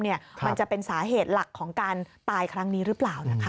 มันจะเป็นสาเหตุหลักของการตายครั้งนี้หรือเปล่านะคะ